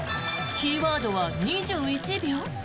キーワードは２１秒？